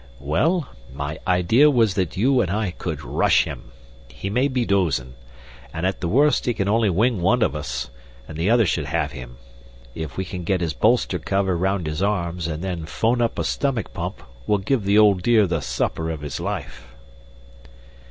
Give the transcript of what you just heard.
"Well, my idea was that you and I could rush him. He may be dozin', and at the worst he can only wing one of us, and the other should have him. If we can get his bolster cover round his arms and then 'phone up a stomach pump, we'll give the old dear the supper of his life."